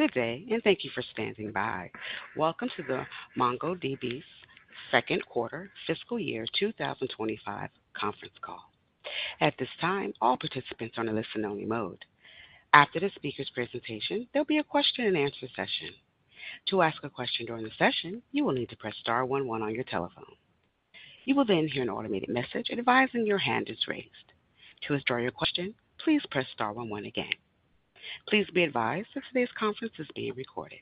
Good day, and thank you for standing by. Welcome to the MongoDB's Q2 Fiscal Year 2025 Conference Call. At this time, all participants are on a listen-only mode. After the speaker's presentation, there'll be a question-and-answer session. To ask a question during the session, you will need to press star one one on your telephone. You will then hear an automated message advising your hand is raised. To withdraw your question, please press star one one again. Please be advised that today's conference is being recorded.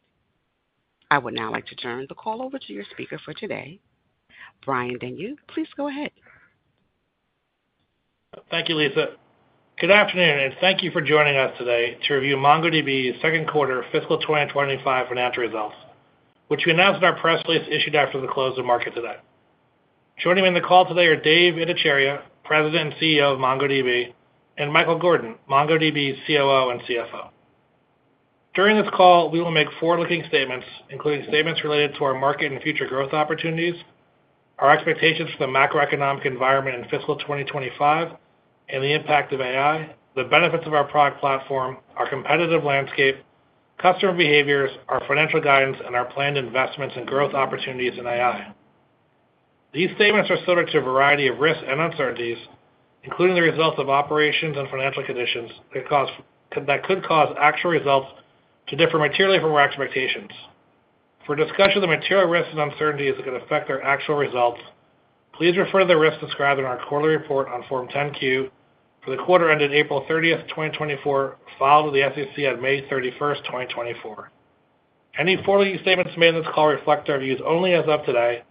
I would now like to turn the call over to your speaker for today, Brian Denyeau. Please go ahead. Thank you, Lisa. Good afternoon, and thank you for joining us today to review MongoDB's Q2 Fiscal 2025 Financial Results, which we announced in our press release issued after the close of market today. Joining me on the call today are Dev Ittycheria, President and CEO of MongoDB, and Michael Gordon, MongoDB's COO and CFO. During this call, we will make forward-looking statements, including statements related to our market and future growth opportunities, our expectations for the macroeconomic environment in fiscal 2025 and the impact of AI, the benefits of our product platform, our competitive landscape, customer behaviors, our financial guidance, and our planned investments and growth opportunities in AI. These statements are subject to a variety of risks and uncertainties, including the results of operations and financial conditions that could cause actual results to differ materially from our expectations. For a discussion of the material risks and uncertainties that could affect our actual results, please refer to the risks described in our quarterly report on Form 10-Q for the quarter ended April thirtieth, 2024, filed with the SEC on 31st May, 2024. Any forward-looking statements made in this call reflect our views only as of today,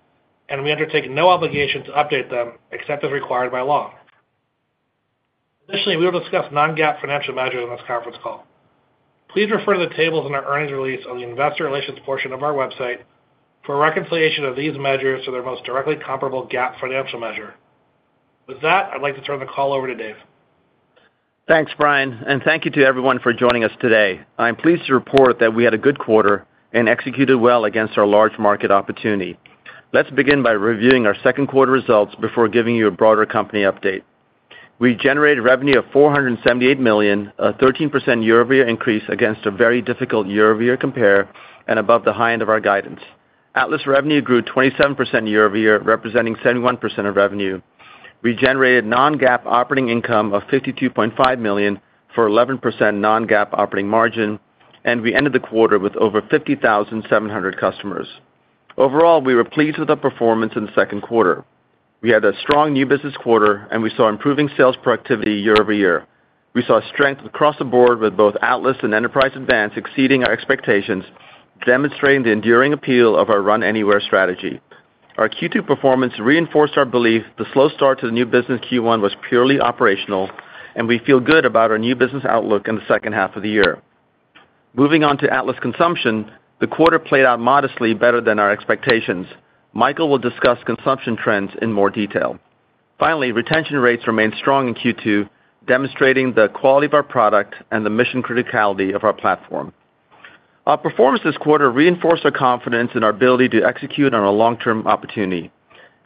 and we undertake no obligation to update them except as required by law. Additionally, we will discuss non-GAAP financial measures on this conference call. Please refer to the tables in our earnings release on the investor relations portion of our website for a reconciliation of these measures to their most directly comparable GAAP financial measure. With that, I'd like to turn the call over to Dev. Thanks, Brian, and thank you to everyone for joining us today. I'm pleased to report that we had a good quarter and executed well against our large market opportunity. Let's begin by reviewing our Q2 results before giving you a broader company update. We generated revenue of $478 million, a 13% year-over-year increase against a very difficult year-over-year compare and above the high end of our guidance. Atlas revenue grew 27% year-over-year, representing 71% of revenue. We generated non-GAAP operating income of $52.5 million for 11% non-GAAP operating margin, and we ended the quarter with over 50,700 customers. Overall, we were pleased with the performance in the Q2. We had a strong new business quarter, and we saw improving sales productivity year-over-year. We saw strength across the board, with both Atlas and Enterprise Advanced exceeding our expectations, demonstrating the enduring appeal of our Run Anywhere strategy. Our Q2 performance reinforced our belief the slow start to the new business Q1 was purely operational, and we feel good about our new business outlook in the second half of the year. Moving on to Atlas consumption, the quarter played out modestly better than our expectations. Michael will discuss consumption trends in more detail. Finally, retention rates remained strong in Q2, demonstrating the quality of our product and the mission criticality of our platform. Our performance this quarter reinforced our confidence in our ability to execute on our long-term opportunity.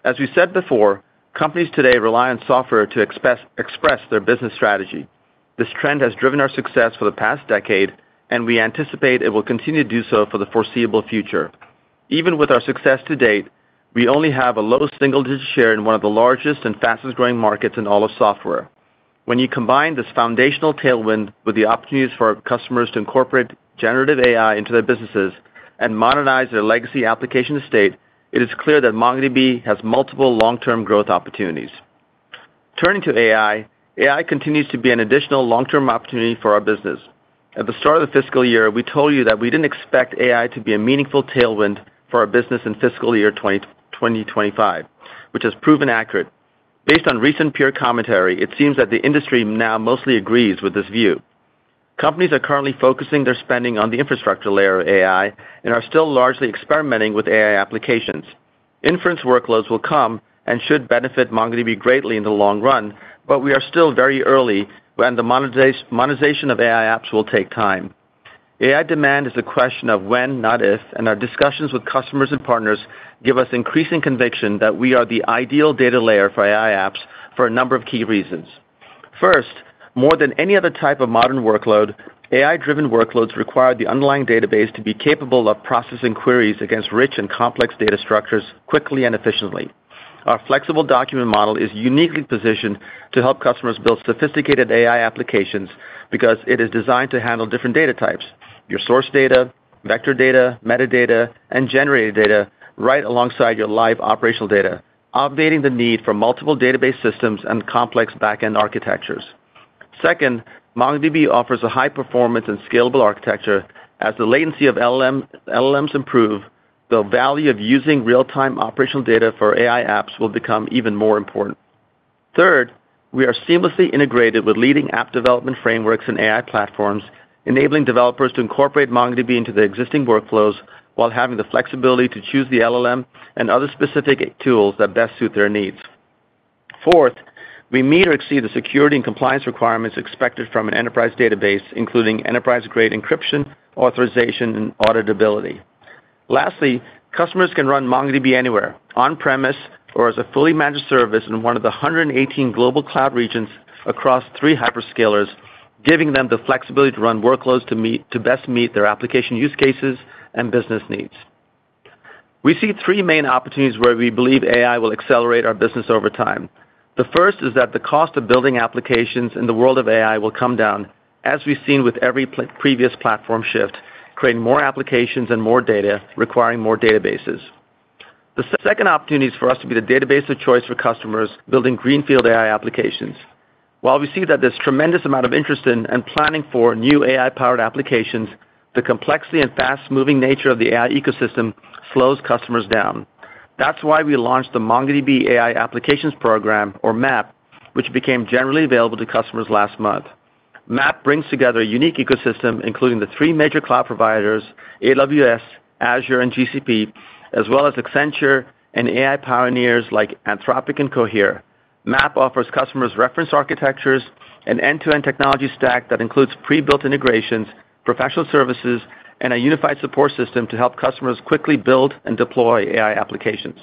As we said before, companies today rely on software to express their business strategy. This trend has driven our success for the past decade, and we anticipate it will continue to do so for the foreseeable future. Even with our success to date, we only have a low single-digit share in one of the largest and fastest-growing markets in all of software. When you combine this foundational tailwind with the opportunities for our customers to incorporate generative AI into their businesses and modernize their legacy application estate, it is clear that MongoDB has multiple long-term growth opportunities. Turning to AI, AI continues to be an additional long-term opportunity for our business. At the start of the fiscal year, we told you that we didn't expect AI to be a meaningful tailwind for our business in fiscal year 2025, which has proven accurate. Based on recent peer commentary, it seems that the industry now mostly agrees with this view. Companies are currently focusing their spending on the infrastructure layer of AI and are still largely experimenting with AI applications. Inference workloads will come and should benefit MongoDB greatly in the long run, but we are still very early. When the monetization of AI apps will take time. AI demand is a question of when, not if, and our discussions with customers and partners give us increasing conviction that we are the ideal data layer for AI apps for a number of key reasons. First, more than any other type of modern workload, AI-driven workloads require the underlying database to be capable of processing queries against rich and complex data structures quickly and efficiently. Our flexible document model is uniquely positioned to help customers build sophisticated AI applications because it is designed to handle different data types, your source data, vector data, metadata, and generated data right alongside your live operational data, obviating the need for multiple database systems and complex backend architectures. Second, MongoDB offers a high-performance and scalable architecture. As the latency of LLMs improve, the value of using real-time operational data for AI apps will become even more important. Third, we are seamlessly integrated with leading app development frameworks and AI platforms, enabling developers to incorporate MongoDB into their existing workflows while having the flexibility to choose the LLM and other specific tools that best suit their needs. Fourth, we meet or exceed the security and compliance requirements expected from an enterprise database, including enterprise-grade encryption, authorization, and auditability. Lastly, customers can run MongoDB anywhere, on-premise, or as a fully managed service in one of the 118 global cloud regions across three hyperscalers, giving them the flexibility to run workloads to best meet their application use cases and business needs. We see three main opportunities where we believe AI will accelerate our business over time. The first is that the cost of building applications in the world of AI will come down, as we've seen with every previous platform shift, creating more applications and more data, requiring more databases. The second opportunity is for us to be the database of choice for customers building greenfield AI applications. While we see that there's tremendous amount of interest in and planning for new AI-powered applications, the complexity and fast-moving nature of the AI ecosystem slows customers down. That's why we launched the MongoDB AI Applications Program, or MAAP, which became generally available to customers last month. MAAP brings together a unique ecosystem, including the three major cloud providers, AWS, Azure, and GCP, as well as Accenture and AI pioneers like Anthropic and Cohere. MAAP offers customers reference architectures, an end-to-end technology stack that includes pre-built integrations, professional services, and a unified support system to help customers quickly build and deploy AI applications.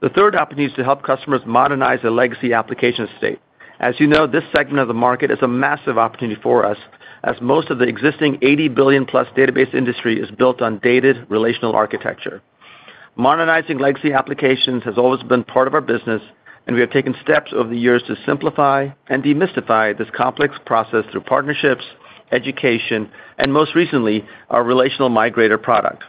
The third opportunity is to help customers modernize their legacy application estate. As you know, this segment of the market is a massive opportunity for us, as most of the existing 80 billion-plus database industry is built on dated relational architecture. Modernizing legacy applications has always been part of our business, and we have taken steps over the years to simplify and demystify this complex process through partnerships, education, and most recently, our Relational Migrator product.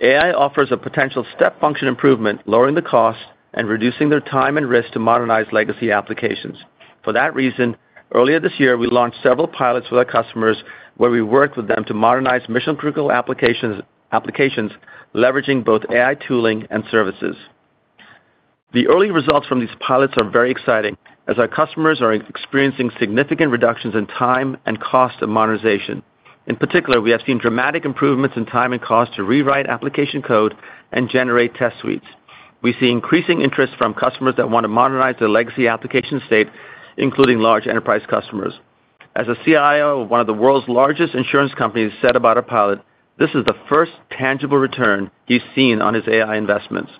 AI offers a potential step function improvement, lowering the cost and reducing their time and risk to modernize legacy applications. For that reason, earlier this year, we launched several pilots with our customers, where we worked with them to modernize mission-critical applications, leveraging both AI tooling and services. The early results from these pilots are very exciting, as our customers are experiencing significant reductions in time and cost of modernization. In particular, we have seen dramatic improvements in time and cost to rewrite application code and generate test suites. We see increasing interest from customers that want to modernize their legacy application state, including large enterprise customers. As a CIO of one of the world's largest insurance companies said about our pilot, "This is the first tangible return he's seen on his AI investments."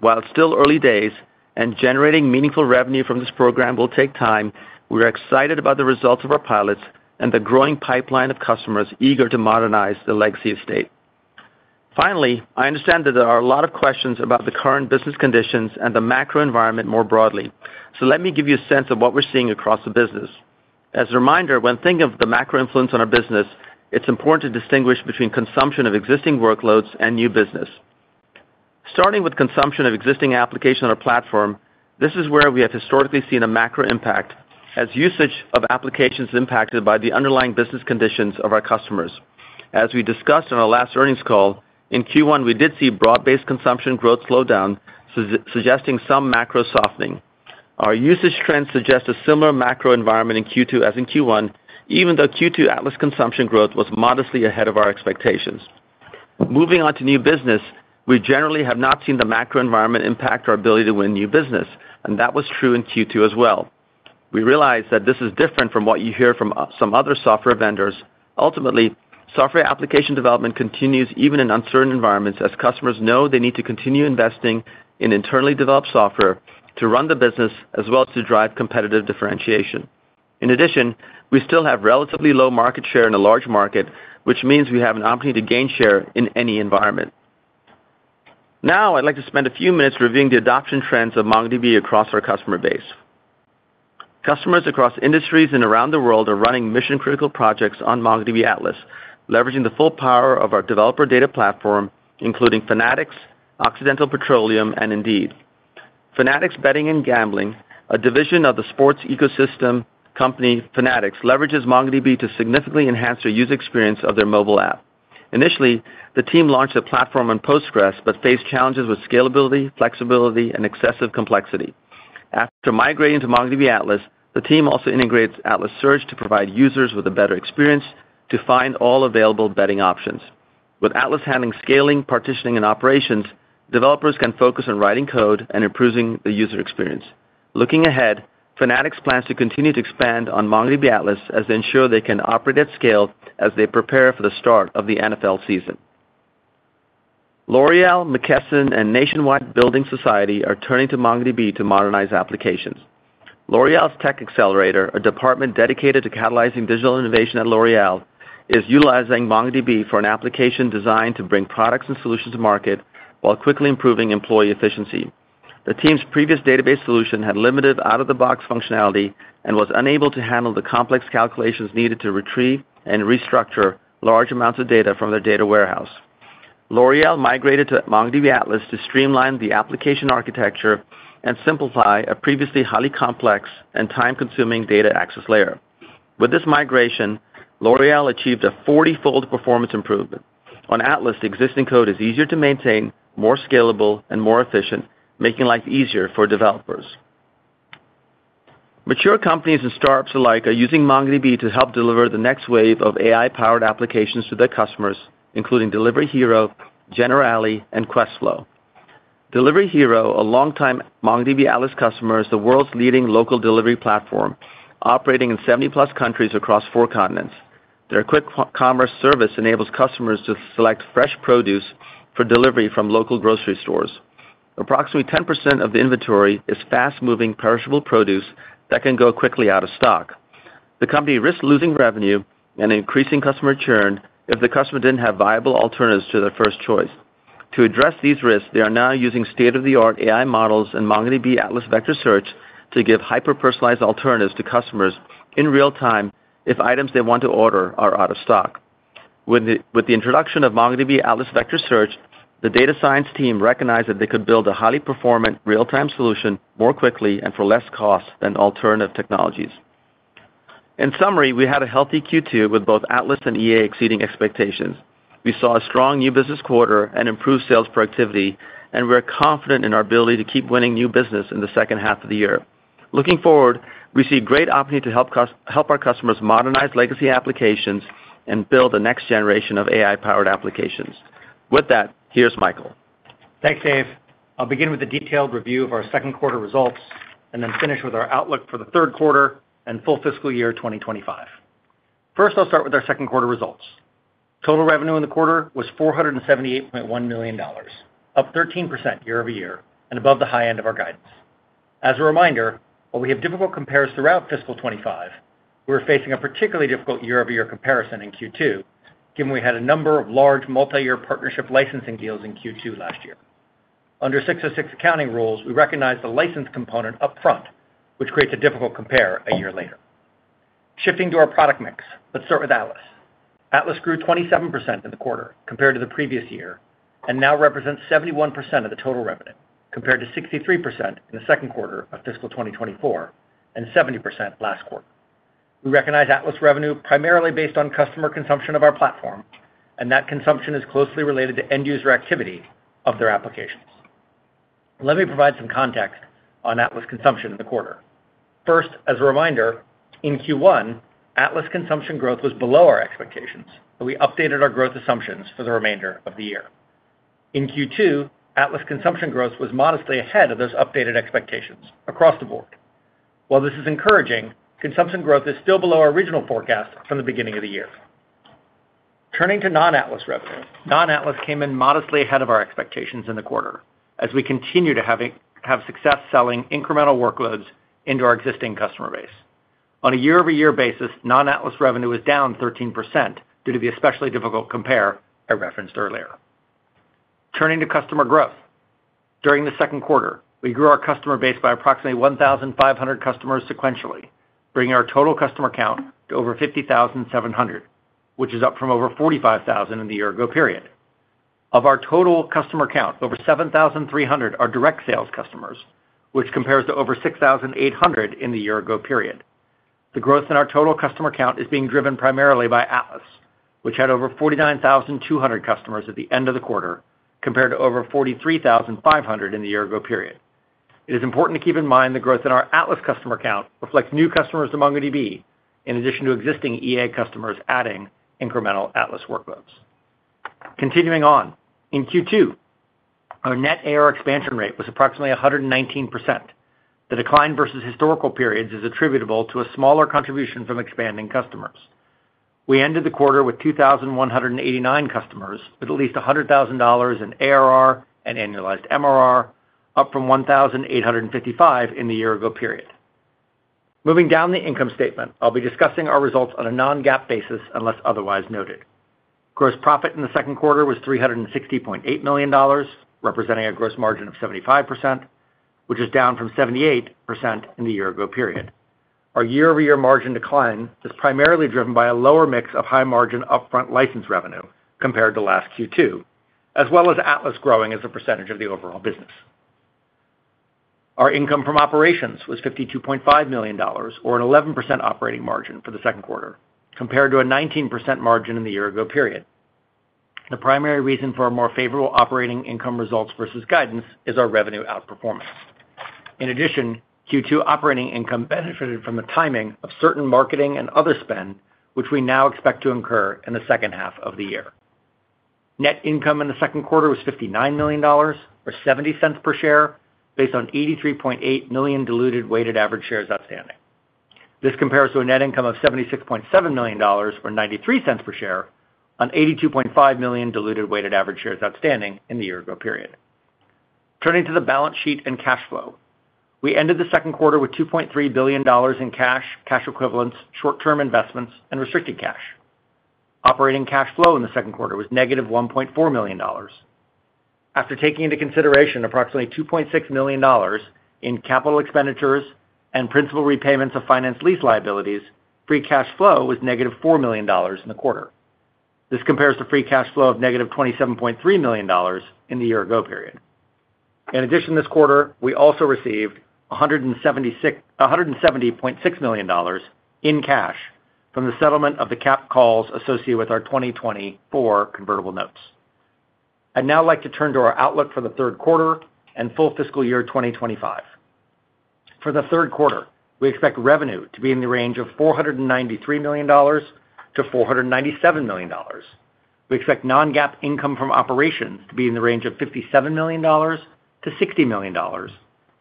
While it's still early days, and generating meaningful revenue from this program will take time, we're excited about the results of our pilots and the growing pipeline of customers eager to modernize their legacy estate. Finally, I understand that there are a lot of questions about the current business conditions and the macro environment more broadly. So let me give you a sense of what we're seeing across the business. As a reminder, when thinking of the macro influence on our business, it's important to distinguish between consumption of existing workloads and new business. Starting with consumption of existing application on our platform, this is where we have historically seen a macro impact, as usage of applications impacted by the underlying business conditions of our customers. As we discussed on our last earnings call, in Q1, we did see broad-based consumption growth slow down, suggesting some macro softening. Our usage trends suggest a similar macro environment in Q2 as in Q1, even though Q2 Atlas consumption growth was modestly ahead of our expectations. Moving on to new business, we generally have not seen the macro environment impact our ability to win new business, and that was true in Q2 as well. We realize that this is different from what you hear from some other software vendors. Ultimately, software application development continues even in uncertain environments, as customers know they need to continue investing in internally developed software to run the business, as well as to drive competitive differentiation. In addition, we still have relatively low market share in a large market, which means we have an opportunity to gain share in any environment. Now, I'd like to spend a few minutes reviewing the adoption trends of MongoDB across our customer base. Customers across industries and around the world are running mission-critical projects on MongoDB Atlas, leveraging the full power of our developer data platform, including Fanatics, Occidental Petroleum, and Indeed. Fanatics Betting & Gaming, a division of the sports ecosystem company, Fanatics, leverages MongoDB to significantly enhance the user experience of their mobile app. Initially, the team launched a platform on Postgres, but faced challenges with scalability, flexibility, and excessive complexity. After migrating to MongoDB Atlas, the team also integrates Atlas Search to provide users with a better experience to find all available betting options. With Atlas handling, scaling, partitioning, and operations, developers can focus on writing code and improving the user experience. Looking ahead, Fanatics plans to continue to expand on MongoDB Atlas as they ensure they can operate at scale as they prepare for the start of the NFL season. L'Oréal, McKesson, and Nationwide Building Society are turning to MongoDB to modernize applications. L'Oréal's Tech Accelerator, a department dedicated to catalyzing digital innovation at L'Oréal, is utilizing MongoDB for an application designed to bring products and solutions to market while quickly improving employee efficiency. The team's previous database solution had limited out-of-the-box functionality and was unable to handle the complex calculations needed to retrieve and restructure large amounts of data from their data warehouse. L'Oréal migrated to MongoDB Atlas to streamline the application architecture and simplify a previously highly complex and time-consuming data access layer. With this migration, L'Oréal achieved a forty-fold performance improvement. On Atlas, the existing code is easier to maintain, more scalable, and more efficient, making life easier for developers. Mature companies and startups alike are using MongoDB to help deliver the next wave of AI-powered applications to their customers, including Delivery Hero, Generali, and Questflow. Delivery Hero, a longtime MongoDB Atlas customer, is the world's leading local delivery platform, operating in seventy-plus countries across four continents. Their quick commerce service enables customers to select fresh produce for delivery from local grocery stores. Approximately 10% of the inventory is fast-moving, perishable produce that can go quickly out of stock. The company risks losing revenue and increasing customer churn if the customer didn't have viable alternatives to their first choice. To address these risks, they are now using state-of-the-art AI models and MongoDB Atlas Vector Search to give hyper-personalized alternatives to customers in real time if items they want to order are out of stock. With the introduction of MongoDB Atlas Vector Search, the data science team recognized that they could build a highly performant, real-time solution more quickly and for less cost than alternative technologies. In summary, we had a healthy Q2 with both Atlas and EA exceeding expectations. We saw a strong new business quarter and improved sales productivity, and we're confident in our ability to keep winning new business in the second half of the year. Looking forward, we see great opportunity to help our customers modernize legacy applications and build the next generation of AI-powered applications. With that, here's Michael. Thanks, Dev. I'll begin with a detailed review of our Q2 results, and then finish with our outlook for the Q3 and full fiscal year 2025. First, I'll start with our Q2 results. Total revenue in the quarter was $478.1 million, up 13% year-over-year, and above the high end of our guidance. As a reminder, while we have difficult compares throughout fiscal 2025, we're facing a particularly difficult year-over-year comparison in Q2, given we had a number of large, multi-year partnership licensing deals in Q2 last year. Under 606 accounting rules, we recognized the license component upfront, which creates a difficult compare a year later. Shifting to our product mix, let's start with Atlas. Atlas grew 27% in the quarter compared to the previous year, and now represents 71% of the total revenue, compared to 63% in the Q2 of fiscal 2024 and 70% last quarter. We recognize Atlas revenue primarily based on customer consumption of our platform, and that consumption is closely related to end user activity of their applications. Let me provide some context on Atlas consumption in the quarter. First, as a reminder, in Q1, Atlas consumption growth was below our expectations, but we updated our growth assumptions for the remainder of the year. In Q2, Atlas consumption growth was modestly ahead of those updated expectations across the board. While this is encouraging, consumption growth is still below our original forecast from the beginning of the year. Turning to non-Atlas revenue. Non-Atlas came in modestly ahead of our expectations in the quarter, as we continue to have success selling incremental workloads into our existing customer base. On a year-over-year basis, non-Atlas revenue is down 13% due to the especially difficult compare I referenced earlier. Turning to customer growth. During the Q2, we grew our customer base by approximately 1,500 customers sequentially, bringing our total customer count to over 50,700, which is up from over 45,000 in the year-ago period. Of our total customer count, over 7,300 are direct sales customers, which compares to over 6,800 in the year-ago period. The growth in our total customer count is being driven primarily by Atlas, which had over 49,200 customers at the end of the quarter, compared to over 43,500 in the year-ago period. It is important to keep in mind the growth in our Atlas customer count reflects new customers to MongoDB, in addition to existing EA customers adding incremental Atlas workloads. Continuing on. In Q2, our net ARR expansion rate was approximately 119%. The decline versus historical periods is attributable to a smaller contribution from expanding customers. We ended the quarter with 2,189 customers, with at least $100,000 in ARR and annualized MRR, up from 1,855 in the year-ago period. Moving down the income statement, I'll be discussing our results on a non-GAAP basis, unless otherwise noted. Gross profit in the Q2 was $360.8 million, representing a gross margin of 75%, which is down from 78% in the year-ago period. Our year-over-year margin decline is primarily driven by a lower mix of high-margin upfront license revenue compared to last Q2, as well as Atlas growing as a percentage of the overall business. Our income from operations was $52.5 million, or an 11% operating margin for the Q2, compared to a 19% margin in the year-ago period. The primary reason for our more favorable operating income results versus guidance is our revenue outperformance. In addition, Q2 operating income benefited from the timing of certain marketing and other spend, which we now expect to incur in the second half of the year. Net income in the Q2 was $59 million, or $0.70 per share, based on 83.8 million diluted weighted average shares outstanding. This compares to a net income of $76.7 million, or $0.93 per share, on 82.5 million diluted weighted average shares outstanding in the year-ago period. Turning to the balance sheet and cash flow. We ended the Q2 with $2.3 billion in cash, cash equivalents, short-term investments, and restricted cash. Operating cash flow in the Q2 was negative $1.4 million. After taking into consideration approximately $2.6 million in capital expenditures and principal repayments of finance lease liabilities, free cash flow was negative $4 million in the quarter. This compares to free cash flow of negative $27.3 million in the year-ago period. In addition, this quarter, we also received $170.6 million in cash from the settlement of the capped calls associated with our 2024 convertible notes. I'd now like to turn to our outlook for the Q3 and full fiscal year 2025. For the Q3, we expect revenue to be in the range of $493 to 497 million. We expect non-GAAP income from operations to be in the range of $57 to 60 million,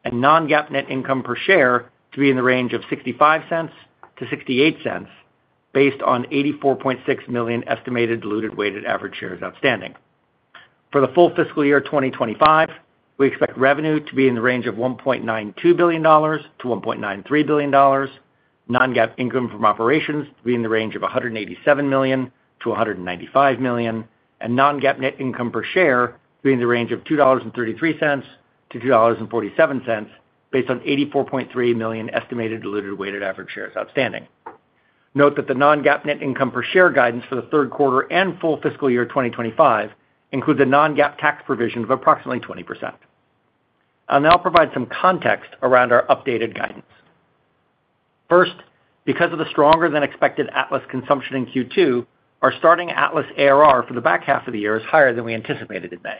and non-GAAP net income per share to be in the range of $0.65 to 0.68, based on 84.6 million estimated diluted weighted average shares outstanding. For the full fiscal year 2025, we expect revenue to be in the range of $1.92 to 1.93 billion, non-GAAP income from operations to be in the range of $187 to 195 million, and non-GAAP net income per share be in the range of $2.33 to 2.47, based on $84.3 million estimated diluted weighted average shares outstanding. Note that the non-GAAP net income per share guidance for the Q3 and full fiscal year 2025 includes a non-GAAP tax provision of approximately 20%. I'll now provide some context around our updated guidance. First, because of the stronger than expected Atlas consumption in Q2, our starting Atlas ARR for the back half of the year is higher than we anticipated in May.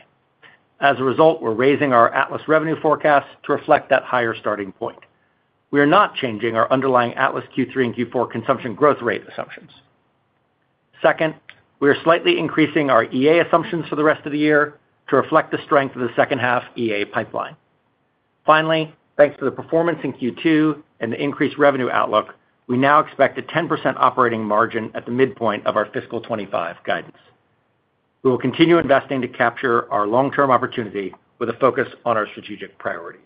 As a result, we're raising our Atlas revenue forecast to reflect that higher starting point. We are not changing our underlying Atlas Q3 and Q4 consumption growth rate assumptions. Second, we are slightly increasing our EA assumptions for the rest of the year to reflect the strength of the second half EA pipeline. Finally, thanks to the performance in Q2 and the increased revenue outlook, we now expect a 10% operating margin at the midpoint of our fiscal 2025 guidance. We will continue investing to capture our long-term opportunity with a focus on our strategic priorities.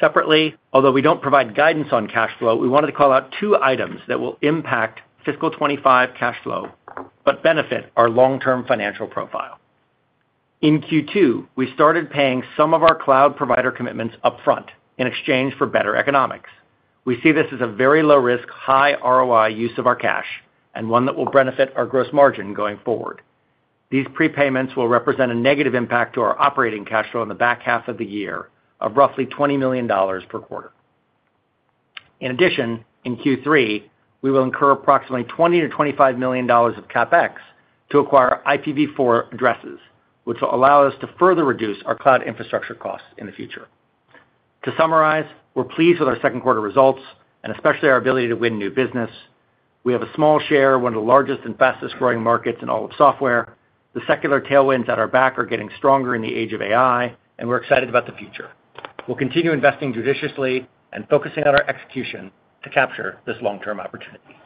Separately, although we don't provide guidance on cash flow, we wanted to call out two items that will impact fiscal 2025 cash flow, but benefit our long-term financial profile. In Q2, we started paying some of our cloud provider commitments upfront in exchange for better economics. We see this as a very low risk, high ROI use of our cash and one that will benefit our gross margin going forward. These prepayments will represent a negative impact to our operating cash flow in the back half of the year of roughly $20 million per quarter. In addition, in Q3, we will incur approximately $20 to 25 million of CapEx to acquire IPv4 addresses, which will allow us to further reduce our cloud infrastructure costs in the future. To summarize, we're pleased with our Q2 results and especially our ability to win new business. We have a small share of one of the largest and fastest-growing markets in all of software. The secular tailwinds at our back are getting stronger in the age of AI, and we're excited about the future. We'll continue investing judiciously and focusing on our execution to capture this long-term opportunity.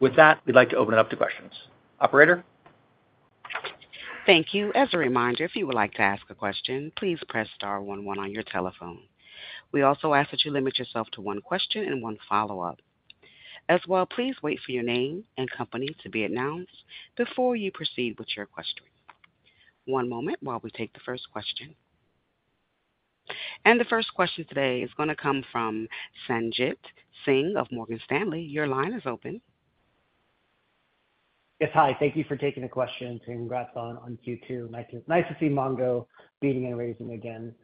With that, we'd like to open it up to questions. Operator? Thank you. As a reminder, if you would like to ask a question, please press star one one on your telephone. We also ask that you limit yourself to one question and one follow-up. As well, please wait for your name and company to be announced before you proceed with your question. One moment while we take the first question. And the first question today is gonna come from Sanjit Singh of Morgan Stanley. Your line is open. Yes, hi, thank you for taking the question, and congrats on Q2. Nice to see Mongo beating and raising again.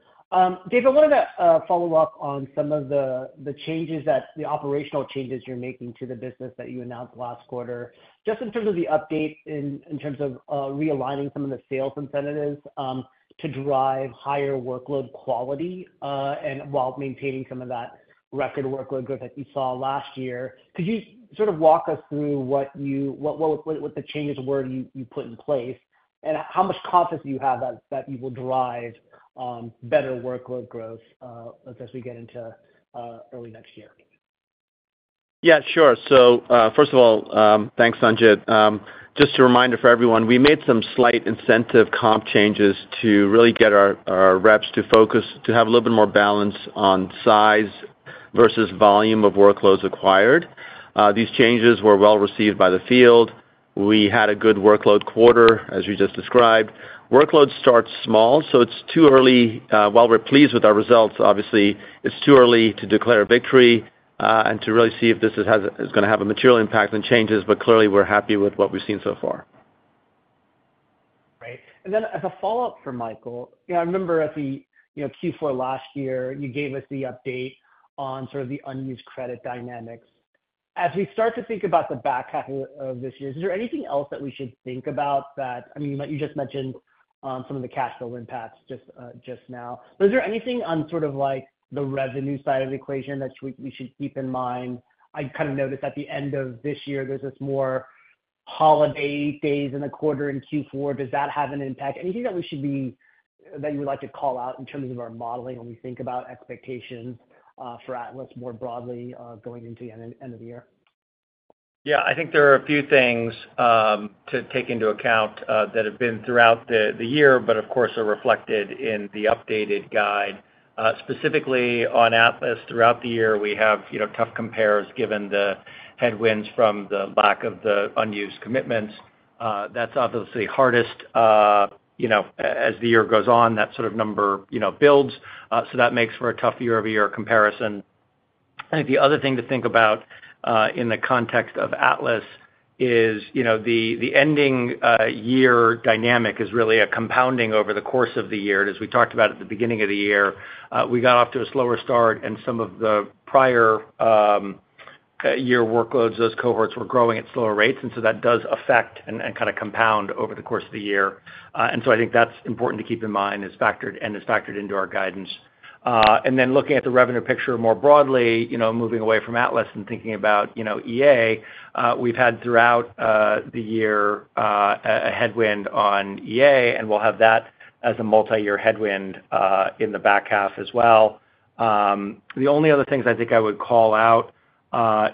Dev, I wanted to follow up on some of the operational changes you're making to the business that you announced last quarter. Just in terms of the update, in terms of realigning some of the sales incentives to drive higher workload quality and while maintaining some of that record workload growth that you saw last year. Could you sort of walk us through what the changes were you put in place, and how much confidence do you have that you will drive better workload growth as we get into early next year? Yeah, sure. So, first of all, thanks, Sanjit. Just a reminder for everyone, we made some slight incentive comp changes to really get our reps to focus, to have a little bit more balance on size versus volume of workloads acquired. These changes were well received by the field. We had a good workload quarter, as you just described. Workloads start small, so it's too early... While we're pleased with our results, obviously, it's too early to declare a victory, and to really see if this is gonna have a material impact and changes, but clearly, we're happy with what we've seen so far. Great. And then as a follow-up for Michael, yeah, I remember at the, you know, Q4 last year, you gave us the update on sort of the unused credit dynamics. As we start to think about the back half of this year, is there anything else that we should think about that. I mean, you just mentioned some of the cash flow impacts just now. Is there anything on sort of like the revenue side of the equation that we should keep in mind? I kind of noticed at the end of this year, there's this more holiday days in the quarter in Q4. Does that have an impact? Anything that we should be that you would like to call out in terms of our modeling when we think about expectations for Atlas more broadly going into the end of the year? Yeah, I think there are a few things to take into account that have been throughout the year, but of course, are reflected in the updated guide. Specifically on Atlas, throughout the year, we have, you know, tough compares, given the headwinds from the lack of the unused commitments. That's obviously hardest, you know, as the year goes on, that sort of number, you know, builds, so that makes for a tough year-over-year comparison. I think the other thing to think about in the context of Atlas is, you know, the ending year dynamic is really a compounding over the course of the year. As we talked about at the beginning of the year, we got off to a slower start, and some of the prior... Year workloads, those cohorts were growing at slower rates, and so that does affect and kind of compound over the course of the year. And so I think that's important to keep in mind, is factored into our guidance. And then looking at the revenue picture more broadly, you know, moving away from Atlas and thinking about, you know, EA, we've had throughout the year a headwind on EA, and we'll have that as a multi-year headwind in the back half as well. The only other things I think I would call out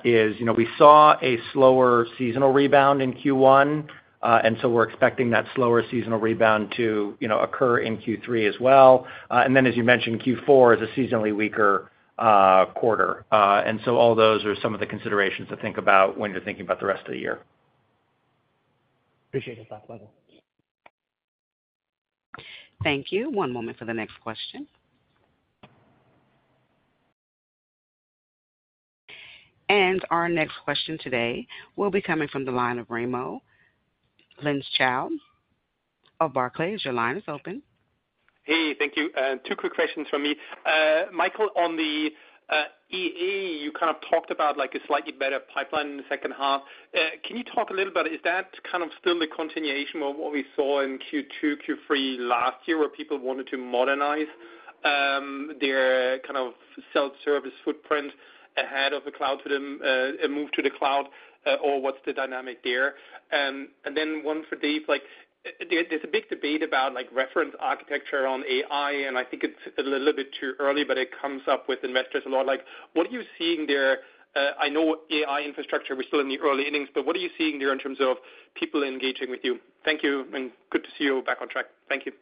is, you know, we saw a slower seasonal rebound in Q1, and so we're expecting that slower seasonal rebound to, you know, occur in Q3 as well. And then, as you mentioned, Q4 is a seasonally weaker quarter. All those are some of the considerations to think about when you're thinking about the rest of the year. Appreciate the thoughts, Michael. Thank you. One moment for the next question. And our next question today will be coming from the line of Raimo Lenschow of Barclays. Your line is open. Hey, thank you. Two quick questions from me. Michael, on the EA, you kind of talked about, like, a slightly better pipeline in the second half. Can you talk a little about, is that kind of still the continuation of what we saw in Q2, Q3 last year, where people wanted to modernize their kind of self-service footprint ahead of the cloud to them, a move to the cloud, or what's the dynamic there? And then one for Dev, like, there's a big debate about, like, reference architecture on AI, and I think it's a little bit too early, but it comes up with investors a lot. Like, what are you seeing there? I know AI infrastructure, we're still in the early innings, but what are you seeing there in terms of people engaging with you? Thank you, and good to see you back on track. Thank you.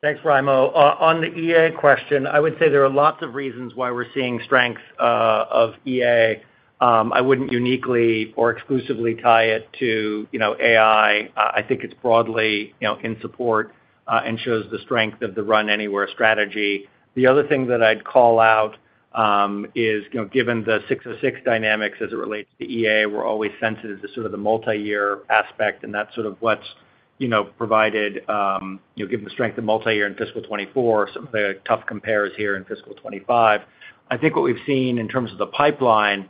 Thanks, Raimo. On the EA question, I would say there are lots of reasons why we're seeing strength of EA. I wouldn't uniquely or exclusively tie it to, you know, AI. I think it's broadly, you know, in support and shows the strength of the Run anywhere strategy. The other thing that I'd call out is, you know, given the 606 dynamics as it relates to EA, we're always sensitive to sort of the multi-year aspect, and that's sort of what's, you know, provided, given the strength of multi-year in fiscal twenty-four, some of the tough compares here in fiscal 2025. I think what we've seen in terms of the pipeline is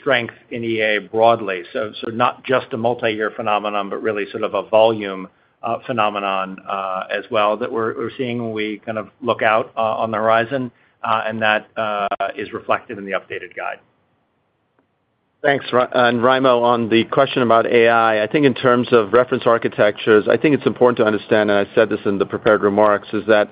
strength in EA broadly. So not just a multi-year phenomenon, but really sort of a volume phenomenon as well, that we're seeing when we kind of look out on the horizon, and that is reflected in the updated guide. Thanks, Raimo, on the question about AI. I think in terms of reference architectures, I think it's important to understand, and I said this in the prepared remarks, is that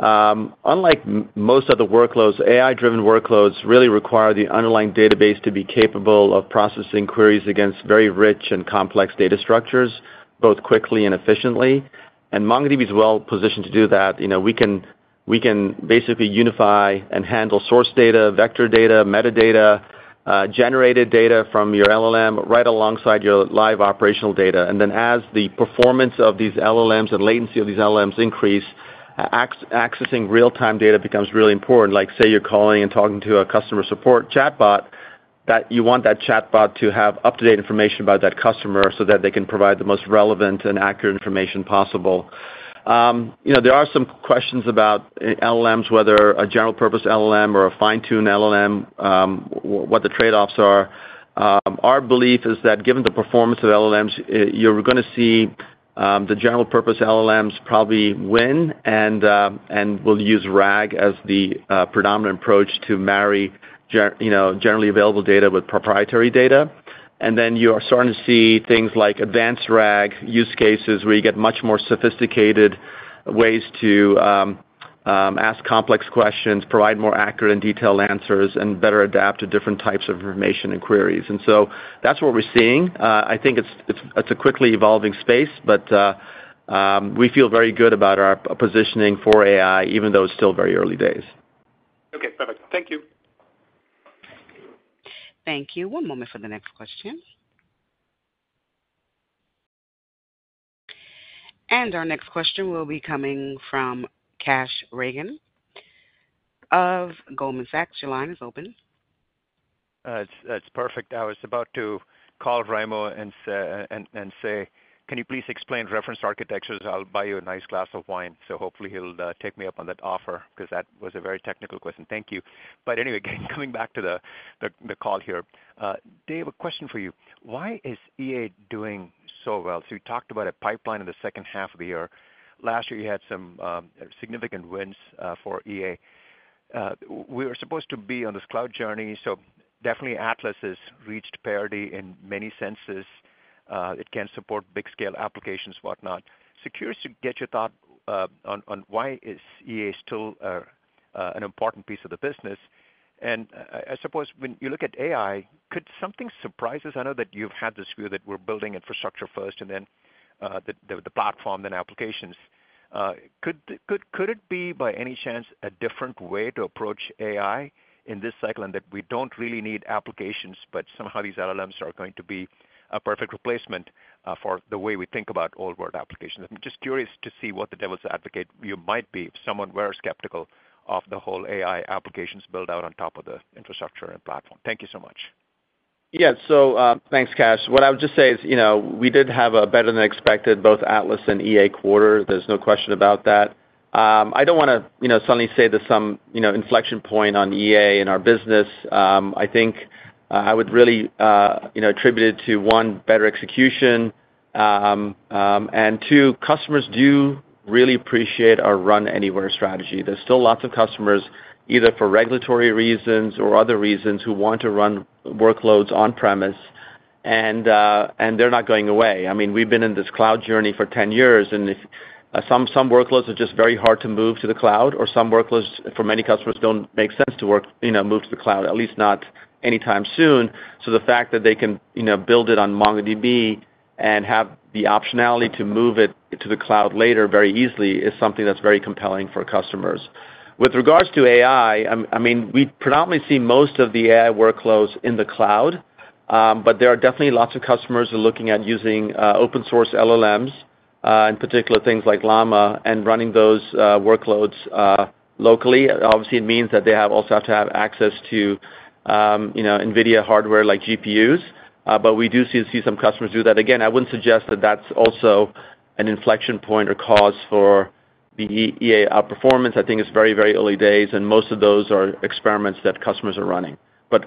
unlike most other workloads, AI-driven workloads really require the underlying database to be capable of processing queries against very rich and complex data structures, both quickly and efficiently. And MongoDB is well positioned to do that. You know, we can basically unify and handle source data, vector data, metadata, generated data from your LLM, right alongside your live operational data. And then as the performance of these LLMs and latency of these LLMs increase, accessing real-time data becomes really important. Like, say, you're calling and talking to a customer support chatbot, that you want that chatbot to have up-to-date information about that customer, so that they can provide the most relevant and accurate information possible. You know, there are some questions about LLMs, whether a general purpose LLM or a fine-tune LLM, what the trade-offs are. Our belief is that given the performance of LLMs, you're gonna see the general purpose LLMs probably win, and will use RAG as the predominant approach to marry you know, generally available data with proprietary data. And then you are starting to see things like advanced RAG use cases, where you get much more sophisticated ways to ask complex questions, provide more accurate and detailed answers, and better adapt to different types of information and queries. And so that's what we're seeing. I think it's a quickly evolving space, but we feel very good about our positioning for AI, even though it's still very early days. Okay, perfect. Thank you. Thank you. One moment for the next question. And our next question will be coming from Kash Rangan of Goldman Sachs. Your line is open. That's perfect. I was about to call Raimo and say: Can you please explain reference architectures? I'll buy you a nice glass of wine. So hopefully he'll take me up on that offer, 'cause that was a very technical question. Thank you. But anyway, coming back to the call here. Dev, a question for you. Why is EA doing so well? So you talked about a pipeline in the second half of the year. Last year, you had some significant wins for EA. We were supposed to be on this cloud journey, so definitely, Atlas has reached parity in many senses. It can support big scale applications, whatnot. Just curious to get your thought on why is EA still an important piece of the business? I suppose when you look at AI, could something surprise us? I know that you've had this view that we're building infrastructure first and then the platform, then applications. Could it be, by any chance, a different way to approach AI in this cycle and that we don't really need applications, but somehow these LLMs are going to be a perfect replacement for the way we think about old world applications? I'm just curious to see what the devil's advocate view might be if someone were skeptical of the whole AI applications build out on top of the infrastructure and platform. Thank you so much. Yeah, so, thanks, Kash. What I would just say is, you know, we did have a better than expected, both Atlas and EA quarter. There's no question about that. I don't wanna, you know, suddenly say there's some, you know, inflection point on EA in our business. I think, I would really, you know, attribute it to, one, better execution. And two, customers do really appreciate our Run Anywhere strategy. There's still lots of customers, either for regulatory reasons or other reasons, who want to run workloads on-premise, and, and they're not going away. I mean, we've been in this cloud journey for ten years, and some workloads are just very hard to move to the cloud, or some workloads for many customers don't make sense to work, you know, move to the cloud, at least not anytime soon. The fact that they can, you know, build it on MongoDB and have the optionality to move it to the cloud later very easily, is something that's very compelling for customers. With regards to AI, I mean, we predominantly see most of the AI workloads in the cloud, but there are definitely lots of customers who are looking at using open source LLMs, in particular things like Llama, and running those workloads locally. Obviously, it means that they also have to have access to, you know, NVIDIA hardware like GPUs, but we do see some customers do that. Again, I wouldn't suggest that that's also an inflection point or cause for the EA outperformance. I think it's very, very early days, and most of those are experiments that customers are running.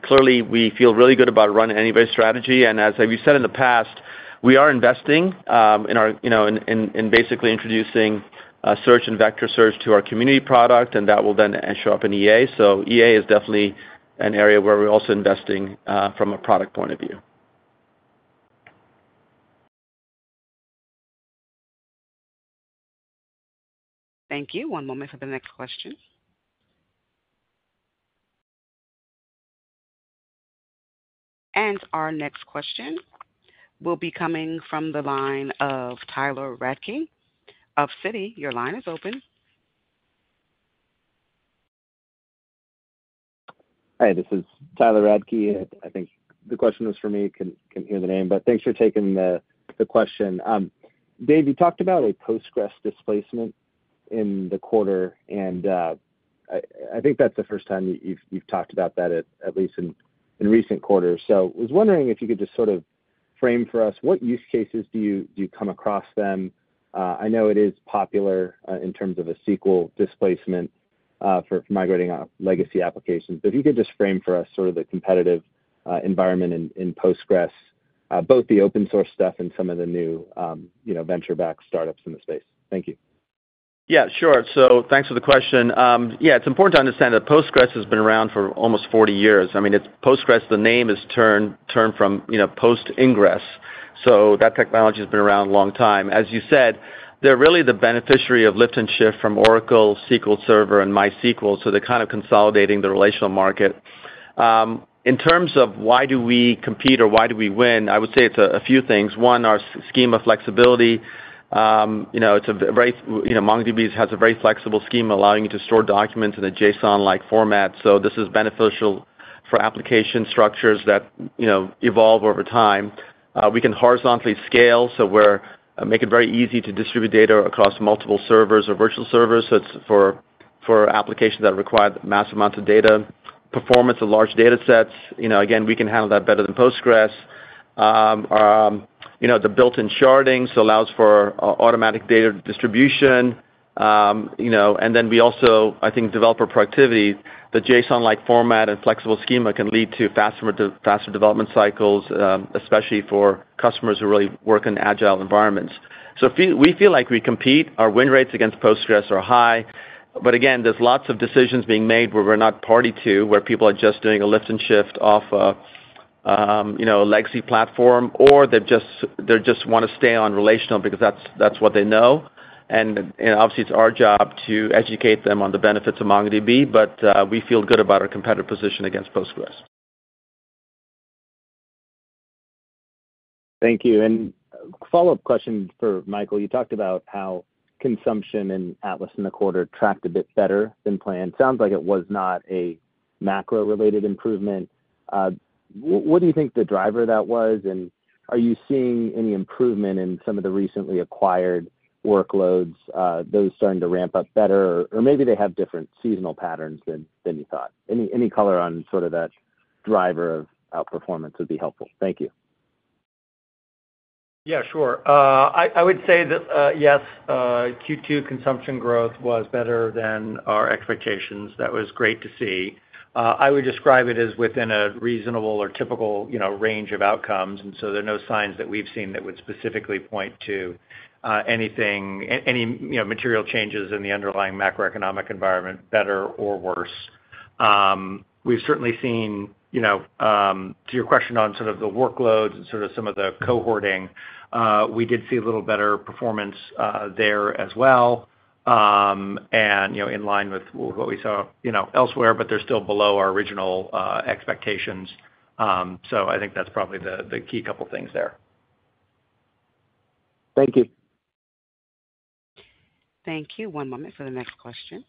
Clearly, we feel really good about Run Anywhere strategy, and as we've said in the past, we are investing in our, you know, basically introducing search and vector search to our community product, and that will then show up in EA. So EA is definitely an area where we're also investing from a product point of view. Thank you. One moment for the next question. And our next question will be coming from the line of Tyler Radke of Citi. Your line is open. Hi, this is Tyler Radke. I think the question was for me. Couldn't hear the name, but thanks for taking the question. Dev, you talked about a Postgres displacement in the quarter, and I think that's the first time you've talked about that at least in recent quarters. So I was wondering if you could just sort of frame for us what use cases do you come across them? I know it is popular in terms of a SQL displacement for migrating off legacy applications. But if you could just frame for us sort of the competitive environment in Postgres both the open source stuff and some of the new you know venture-backed startups in the space. Thank you. Yeah, sure. So thanks for the question. Yeah, it's important to understand that Postgres has been around for almost forty years. I mean, it's Postgres, the name is turned from, you know, post-Ingres, so that technology has been around a long time. As you said, they're really the beneficiary of lift and shift from Oracle, SQL Server and MySQL, so they're kind of consolidating the relational market. In terms of why do we compete or why do we win, I would say it's a few things. One, our schema flexibility. You know, it's a very, you know, MongoDB has a very flexible schema, allowing you to store documents in a JSON-like format. So this is beneficial for application structures that, you know, evolve over time. We can horizontally scale, so we're make it very easy to distribute data across multiple servers or virtual servers. So it's for applications that require mass amounts of data. Performance of large data sets, you know, again, we can handle that better than Postgres. You know, the built-in sharding, so allows for automatic data distribution. You know, and then we also, I think, developer productivity, the JSON-like format and flexible schema can lead to faster development cycles, especially for customers who really work in agile environments. So we feel like we compete. Our win rates against Postgres are high. But again, there's lots of decisions being made where we're not party to, where people are just doing a lift and shift off a, you know, a legacy platform, or they're just they just wanna stay on relational because that's what they know. Obviously, it's our job to educate them on the benefits of MongoDB, but we feel good about our competitive position against Postgres. Thank you and a follow-up question for Michael: You talked about how consumption in Atlas in the quarter tracked a bit better than planned. Sounds like it was not a macro-related improvement. What do you think the driver that was, and are you seeing any improvement in some of the recently acquired workloads, those starting to ramp up better? Or maybe they have different seasonal patterns than you thought. Any color on sort of that driver of outperformance would be helpful. Thank you. Yeah, sure. I would say that yes, Q2 consumption growth was better than our expectations. That was great to see. I would describe it as within a reasonable or typical, you know, range of outcomes, and so there are no signs that we've seen that would specifically point to any material changes in the underlying macroeconomic environment, better or worse. We've certainly seen, you know, to your question on sort of the workloads and sort of some of the cohorting, we did see a little better performance there as well, and, you know, in line with what we saw, you know, elsewhere, but they're still below our original expectations. So I think that's probably the key couple things there. Thank you. Thank you. One moment for the next question.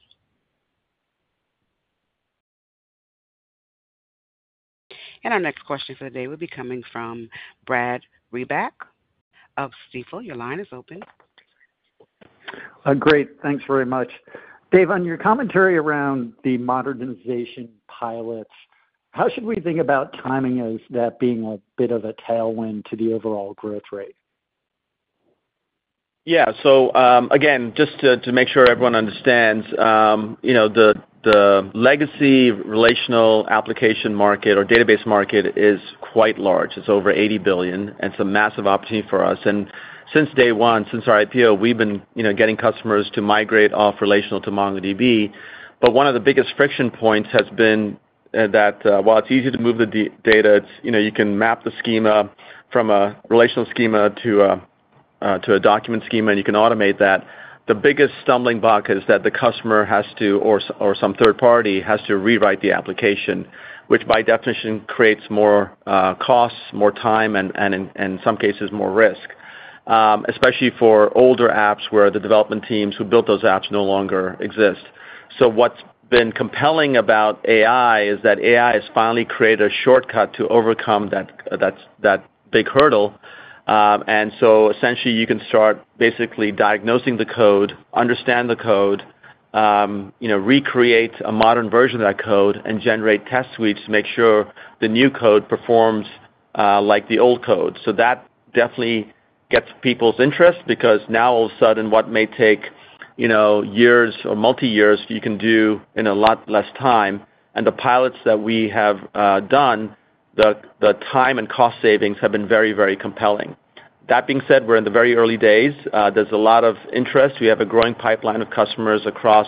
And our next question for the day will be coming from Brad Reback of Stifel. Your line is open. Great. Thanks very much. Dev, on your commentary around the modernization pilots, how should we think about timing as that being a bit of a tailwind to the overall growth rate? Yeah. So, again, just to make sure everyone understands, you know, the legacy relational application market or database market is quite large. It's over $80 billion, and it's a massive opportunity for us. And since day one, since our IPO, we've been, you know, getting customers to migrate off relational to MongoDB. But one of the biggest friction points has been that while it's easy to move the data, it's, you know, you can map the schema from a relational schema to a document schema, and you can automate that. The biggest stumbling block is that the customer has to, or some third party, has to rewrite the application, which by definition creates more costs, more time, and in some cases, more risk, especially for older apps where the development teams who built those apps no longer exist. So what's been compelling about AI is that AI has finally created a shortcut to overcome that big hurdle. And so essentially, you can start basically diagnosing the code, understand the code, you know, recreate a modern version of that code, and generate test suites to make sure the new code performs like the old code. So that definitely gets people's interest because now all of a sudden, what may take, you know, years or multi years, you can do in a lot less time. And the pilots that we have done, the time and cost savings have been very, very compelling. That being said, we're in the very early days. There's a lot of interest. We have a growing pipeline of customers across,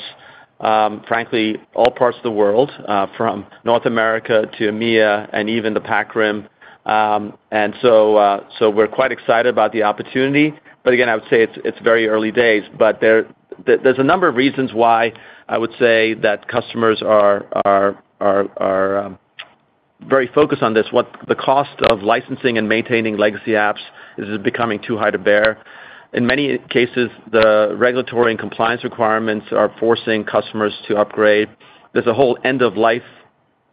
frankly, all parts of the world, from North America to EMEA and even the Pac Rim. And so we're quite excited about the opportunity. But again, I would say it's very early days, but there's a number of reasons why I would say that customers are very focused on this. What the cost of licensing and maintaining legacy apps is becoming too high to bear. In many cases, the regulatory and compliance requirements are forcing customers to upgrade. There's a whole end of life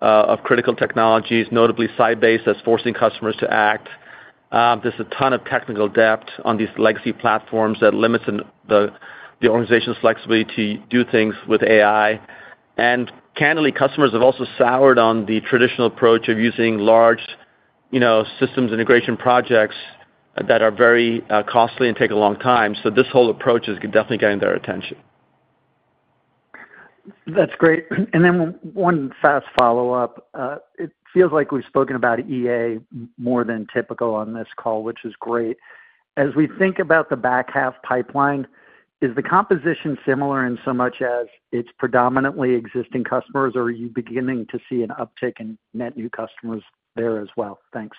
of critical technologies, notably Sybase, that's forcing customers to act. There's a ton of technical depth on these legacy platforms that limits the organization's flexibility to do things with AI. And candidly, customers have also soured on the traditional approach of using large, you know, systems integration projects that are very costly and take a long time. So this whole approach is definitely getting their attention. That's great. And then one fast follow-up. It feels like we've spoken about EA more than typical on this call, which is great. As we think about the back half pipeline, is the composition similar in so much as it's predominantly existing customers, or are you beginning to see an uptick in net new customers there as well? Thanks.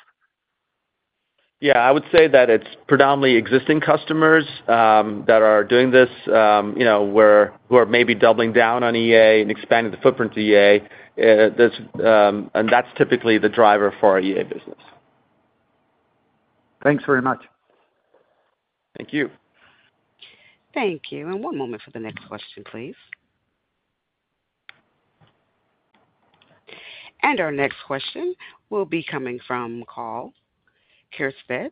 Yeah, I would say that it's predominantly existing customers that are doing this, you know, who are maybe doubling down on EA and expanding the footprint to EA. There's and that's typically the driver for our EA business. Thanks very much. Thank you. Thank you. One moment for the next question, please. Our next question will be coming from Karl Keirstead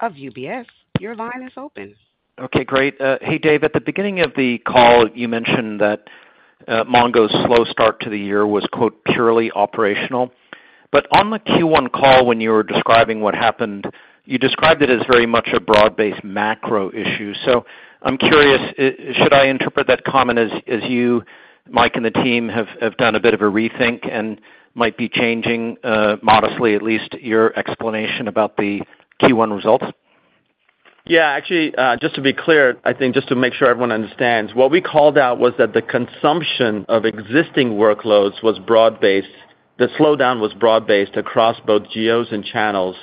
of UBS. Your line is open. Okay, great. Hey, Dev, at the beginning of the call, you mentioned that Mongo's slow start to the year was, quote, "purely operational." But on the Q1 call, when you were describing what happened, you described it as very much a broad-based macro issue. So I'm curious, should I interpret that comment as you, Mike, and the team have done a bit of a rethink and might be changing, modestly, at least, your explanation about the Q1 results? Yeah, actually, just to be clear, I think just to make sure everyone understands, what we called out was that the consumption of existing workloads was broad-based. The slowdown was broad-based across both geos and channels.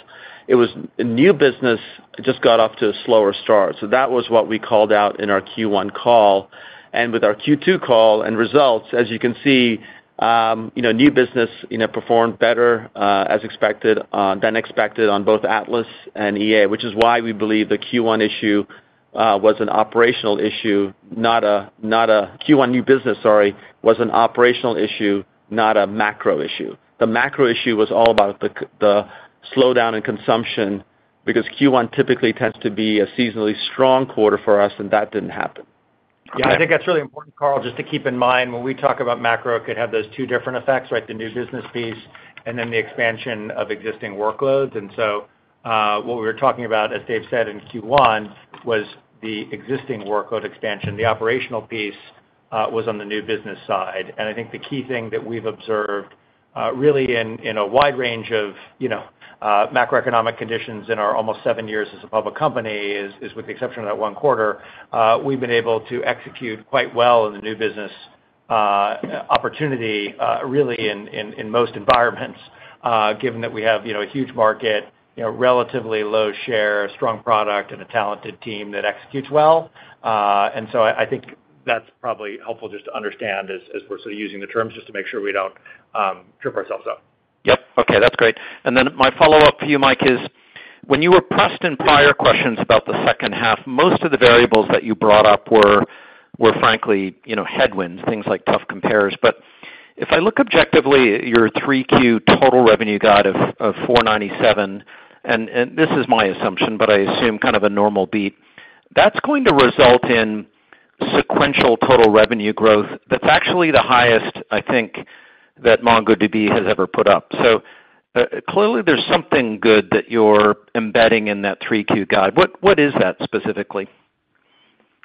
It was new business just got off to a slower start, so that was what we called out in our Q1 call. And with our Q2 call and results, as you can see, you know, new business performed better, as expected, than expected on both Atlas and EA, which is why we believe the Q1 issue was an operational issue. Q1 new business, sorry, was an operational issue, not a macro issue. The macro issue was all about the slowdown in consumption, because Q1 typically tends to be a seasonally strong quarter for us, and that didn't happen. Yeah, I think that's really important, Karl, just to keep in mind, when we talk about macro, it could have those two different effects, right? The new business piece and then the expansion of existing workloads. And so, what we were talking about, as Dev said in Q1, was the existing workload expansion. The operational piece was on the new business side. And I think the key thing that we've observed, really in a wide range of, you know, macroeconomic conditions in our almost seven years as a public company, is with the exception of that one quarter, we've been able to execute quite well in the new business opportunity, really in most environments, given that we have, you know, a huge market, you know, relatively low share, strong product, and a talented team that executes well. And so I think that's probably helpful just to understand as we're sort of using the terms, just to make sure we don't trip ourselves up. Yep. Okay, that's great. And then my follow-up for you, Mike, is: when you were pressed in prior questions about the second half, most of the variables that you brought up were frankly, you know, headwinds, things like tough compares. But- If I look objectively at your Q3 total revenue guide of $497 million, and this is my assumption, but I assume kind of a normal beat, that's going to result in sequential total revenue growth. That's actually the highest, I think, that MongoDB has ever put up. So, clearly, there's something good that you're embedding in that Q3 guide. What is that specifically?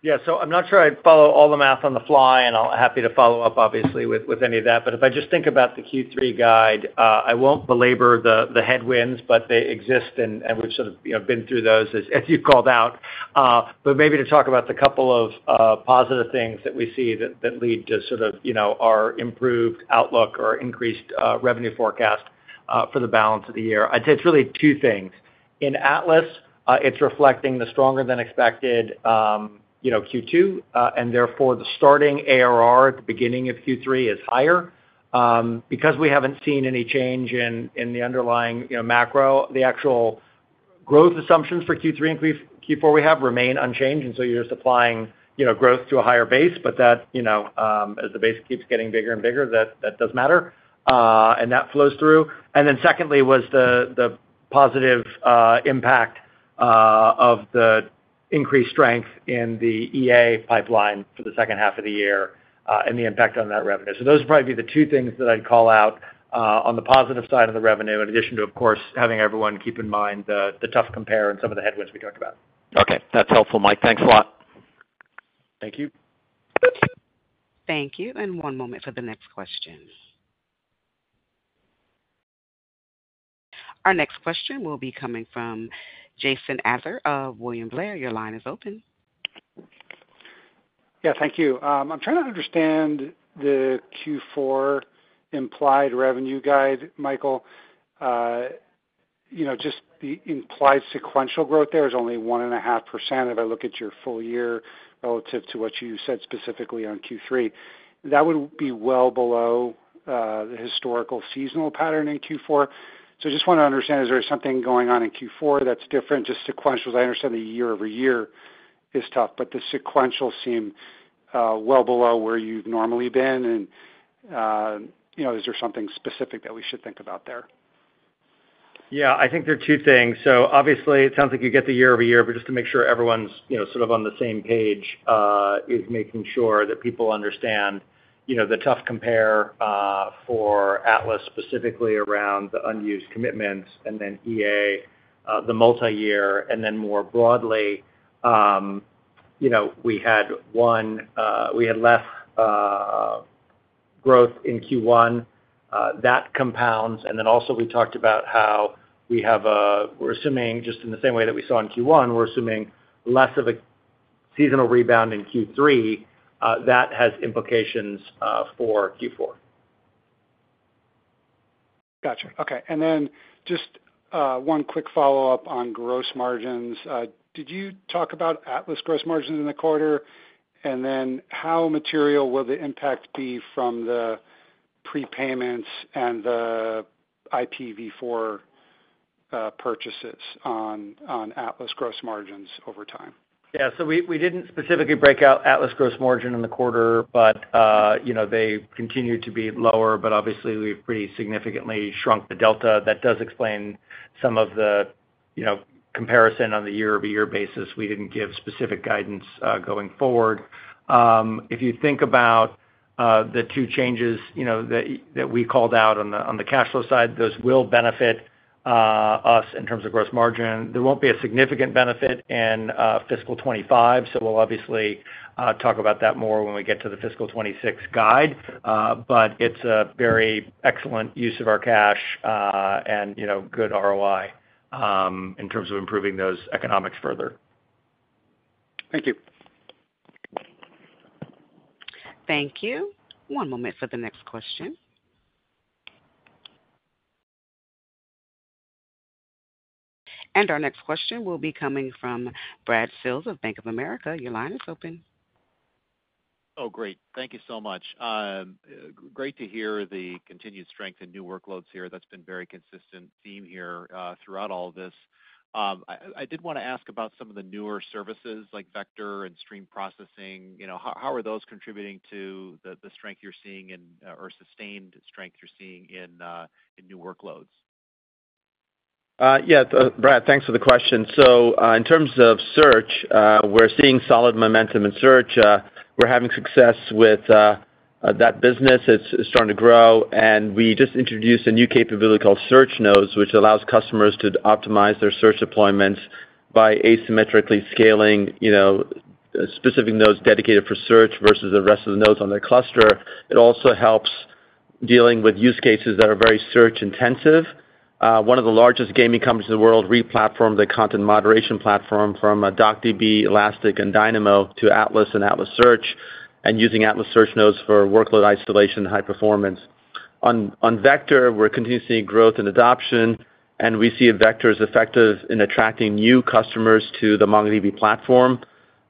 Yeah. So I'm not sure I'd follow all the math on the fly, and I'll be happy to follow up obviously, with any of that. But if I just think about the Q3 guide, I won't belabor the headwinds, but they exist, and we've sort of, you know, been through those, as you called out. But maybe to talk about the couple of positive things that we see that lead to sort of, you know, our improved outlook or increased revenue forecast for the balance of the year. I'd say it's really two things. In Atlas, it's reflecting the stronger than expected, you know, Q2, and therefore, the starting ARR at the beginning of Q3 is higher. Because we haven't seen any change in the underlying, you know, macro, the actual growth assumptions for Q3 and Q4, we have remain unchanged, and so you're supplying, you know, growth to a higher base. But that, you know, as the base keeps getting bigger and bigger, that, that does matter, and that flows through. And then secondly, was the positive impact of the increased strength in the EA pipeline for the second half of the year, and the impact on that revenue. So those would probably be the two things that I'd call out on the positive side of the revenue, in addition to, of course, having everyone keep in mind the tough compare and some of the headwinds we talked about. Okay, that's helpful, Mike. Thanks a lot. Thank you. Thank you, and one moment for the next question. Our next question will be coming from Jason Ader of William Blair. Your line is open. Yeah, thank you. I'm trying to understand the Q4 implied revenue guide, Michael. You know, just the implied sequential growth there is only 1.5% if I look at your full year relative to what you said specifically on Q3. That would be well below the historical seasonal pattern in Q4. So I just want to understand, is there something going on in Q4 that's different, just sequential? I understand the year-over-year is tough, but the sequential seem well below where you've normally been. And you know, is there something specific that we should think about there? Yeah, I think there are two things. So obviously, it sounds like you get the year-over-year, but just to make sure everyone's, you know, sort of on the same page, is making sure that people understand, you know, the tough compare, for Atlas, specifically around the unused commitments and then EA, the multi-year. And then more broadly, you know, we had one, we had less, growth in Q1, that compounds, and then also we talked about how we have, we're assuming, just in the same way that we saw in Q1, we're assuming less of a seasonal rebound in Q3, that has implications, for Q4. Gotcha. Okay. And then just, one quick follow-up on gross margins. Did you talk about Atlas gross margins in the quarter? And then, how material will the impact be from the prepayments and the IPv4, purchases on Atlas gross margins over time? Yeah, so we didn't specifically break out Atlas gross margin in the quarter, but you know, they continued to be lower. But obviously, we've pretty significantly shrunk the delta. That does explain some of the you know, comparison on the year-over-year basis. We didn't give specific guidance going forward. If you think about the two changes, you know, that we called out on the cash flow side, those will benefit us in terms of gross margin. There won't be a significant benefit in fiscal twenty-five, so we'll obviously talk about that more when we get to the fiscal twenty-six guide. But it's a very excellent use of our cash, and you know, good ROI in terms of improving those economics further. Thank you. Thank you. One moment for the next question, and our next question will be coming from Brad Sills of Bank of America. Your line is open. Oh, great. Thank you so much. Great to hear the continued strength in new workloads here. That's been very consistent theme here throughout all of this. I did wanna ask about some of the newer services like Vector and Stream Processing. You know, how are those contributing to the strength you're seeing in or sustained strength you're seeing in new workloads? Brad, thanks for the question. So, in terms of search, we're seeing solid momentum in search. We're having success with that business. It's starting to grow, and we just introduced a new capability called Search Nodes, which allows customers to optimize their search deployments by asymmetrically scaling, you know, specific nodes dedicated for search versus the rest of the nodes on their cluster. It also helps dealing with use cases that are very search-intensive. One of the largest gaming companies in the world replatformed their content moderation platform from DocDB, Elastic, and Dynamo to Atlas and Atlas Search, and using Atlas Search Nodes for workload isolation and high performance. On Vector, we're continuing to see growth and adoption, and we see Vector as effective in attracting new customers to the MongoDB platform.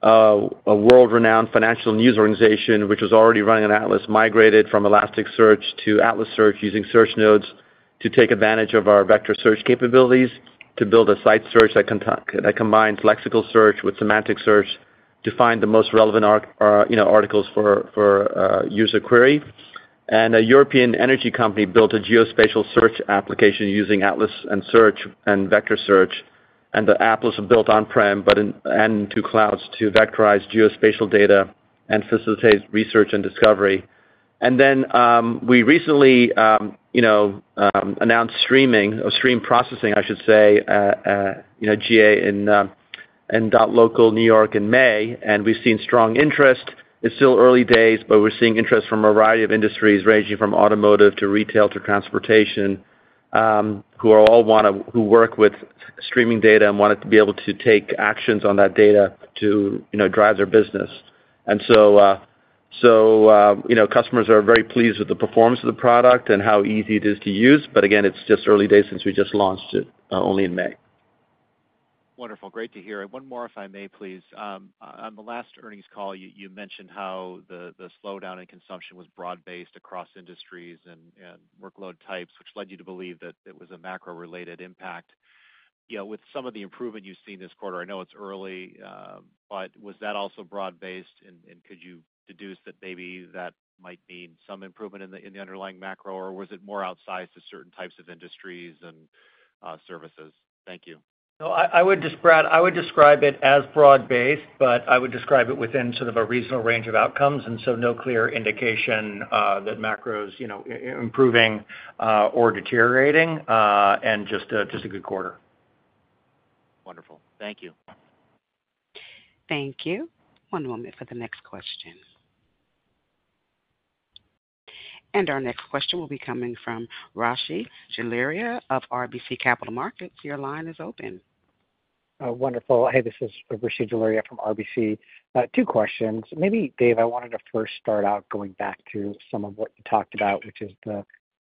A world-renowned financial news organization, which was already running on Atlas, migrated from Elasticsearch to Atlas Search, using Search Nodes to take advantage of our vector search capabilities to build a site search that combines lexical search with semantic search to find the most relevant articles, you know, for user query. A European energy company built a geospatial search application using Atlas and Search and Vector Search, and the Atlas built on-prem but in two clouds to vectorize geospatial data and facilitate research and discovery. Then, we recently, you know, announced streaming or Stream Processing, I should say, you know, GA in .local, New York in May, and we've seen strong interest. It's still early days, but we're seeing interest from a variety of industries, ranging from automotive to retail to transportation, who are all who work with streaming data and wanted to be able to take actions on that data to, you know, drive their business. And so, you know, customers are very pleased with the performance of the product and how easy it is to use. But again, it's just early days since we just launched it, only in May. Wonderful. Great to hear. One more, if I may, please. On the last earnings call, you mentioned how the slowdown in consumption was broad-based across industries and workload types, which led you to believe that it was a macro-related impact. You know, with some of the improvement you've seen this quarter, I know it's early, but was that also broad-based, and could you deduce that maybe that might mean some improvement in the underlying macro, or was it more outsized to certain types of industries and services? Thank you. No, I, I would describe it as broad-based, Brad, but I would describe it within sort of a reasonable range of outcomes, and so no clear indication that macro's, you know, improving or deteriorating, and just a good quarter. Wonderful. Thank you. Thank you. One moment for the next question. Our next question will be coming from Rishi Jaluria of RBC Capital Markets. Your line is open. Wonderful. Hey, this is Rishi Jaluria from RBC. Two questions. Maybe, Dev, I wanted to first start out going back to some of what you talked about, which is the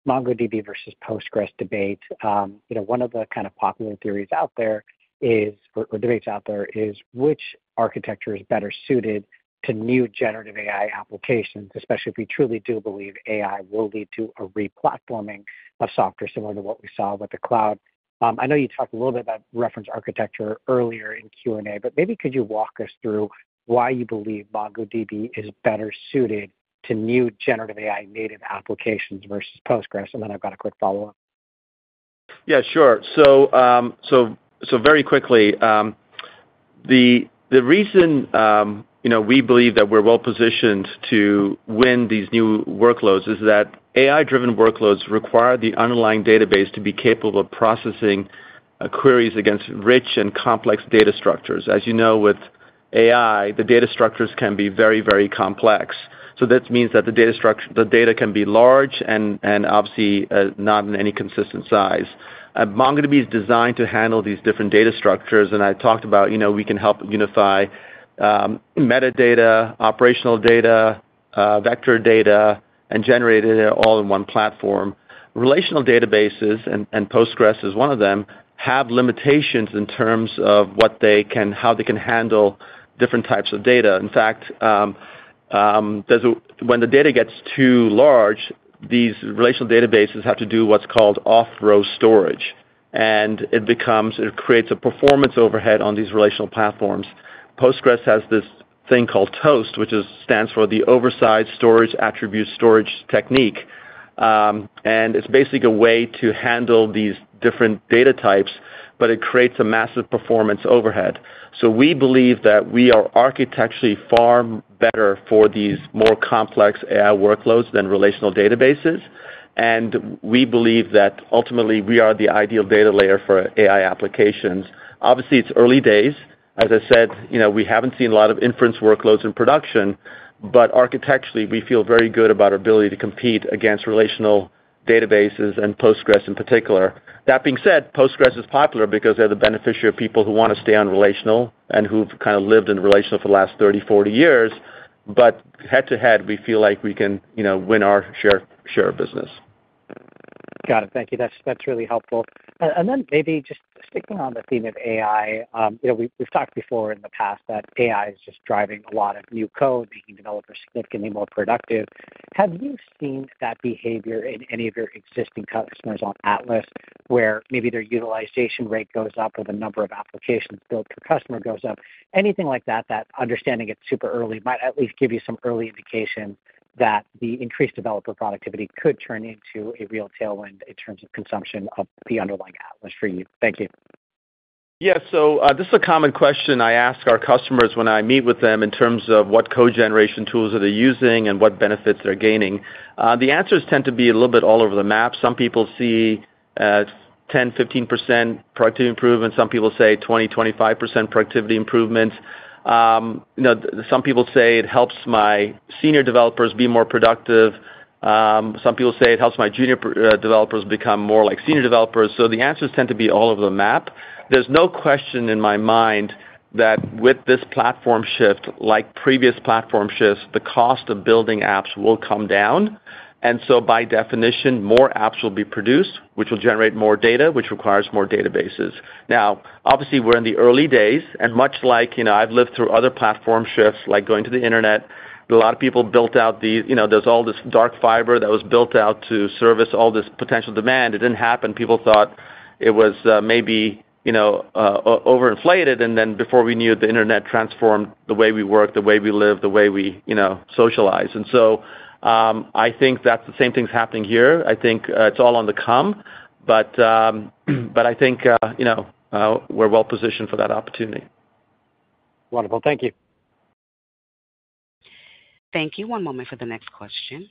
MongoDB versus Postgres debate. One of the kind of popular theories out there is, or debates out there, is which architecture is better suited to new generative AI applications, especially if we truly do believe AI will lead to a replatforming of software, similar to what we saw with the cloud. I know you talked a little bit about reference architecture earlier in Q&A, but maybe could you walk us through why you believe MongoDB is better suited to new generative AI-native applications versus Postgres? And then I've got a quick follow-up. Yeah, sure. So very quickly, the reason you know, we believe that we're well-positioned to win these new workloads is that AI-driven workloads require the underlying database to be capable of processing queries against rich and complex data structures. As you know, with AI, the data structures can be very, very complex. So this means that the data can be large and obviously not in any consistent size. MongoDB is designed to handle these different data structures, and I talked about, you know, we can help unify metadata, operational data, vector data, and generate data all in one platform. Relational databases, and Postgres is one of them, have limitations in terms of how they can handle different types of data. In fact, when the data gets too large, these relational databases have to do what's called off-row storage, and it becomes... It creates a performance overhead on these relational platforms. Postgres has this thing called TOAST, which stands for the Oversized-Attribute Storage Technique, and it's basically a way to handle these different data types, but it creates a massive performance overhead. So we believe that we are architecturally far better for these more complex AI workloads than relational databases, and we believe that ultimately we are the ideal data layer for AI applications. Obviously, it's early days. As I said, you know, we haven't seen a lot of inference workloads in production, but architecturally, we feel very good about our ability to compete against relational databases and Postgres in particular. That being said, Postgres is popular because they're the beneficiary of people who wanna stay on relational and who've kind of lived in relational for the last thirty, forty years. But head-to-head, we feel like we can, you know, win our share, share of business. Got it. Thank you. That's really helpful. And then maybe just sticking on the theme of AI, you know, we've talked before in the past that AI is just driving a lot of new code, making developers significantly more productive. Have you seen that behavior in any of your existing customers on Atlas, where maybe their utilization rate goes up or the number of applications built per customer goes up? Anything like that, that understanding it's super early, might at least give you some early indication that the increased developer productivity could turn into a real tailwind in terms of consumption of the underlying Atlas for you. Thank you. Yeah. So, this is a common question I ask our customers when I meet with them, in terms of what code generation tools are they using and what benefits they're gaining. The answers tend to be a little bit all over the map. Some people see 10%-15% productivity improvement, some people say 20%-25% productivity improvements. You know, some people say, "It helps my senior developers be more productive." Some people say, "It helps my junior developers become more like senior developers." So the answers tend to be all over the map. There's no question in my mind that with this platform shift, like previous platform shifts, the cost of building apps will come down. And so by definition, more apps will be produced, which will generate more data, which requires more databases. Now, obviously, we're in the early days, and much like, you know, I've lived through other platform shifts, like going to the internet. A lot of people built out these. You know, there's all this dark fiber that was built out to service all this potential demand. It didn't happen. People thought it was, maybe, you know, overinflated, and then before we knew it, the internet transformed the way we work, the way we live, the way we, you know, socialize. And so, I think that the same thing's happening here. I think, it's all on the come, but, but I think, you know, we're well-positioned for that opportunity. Wonderful. Thank you. Thank you. One moment for the next question,